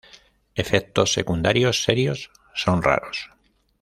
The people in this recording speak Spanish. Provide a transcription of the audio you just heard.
Efectos secundarios serios son raros.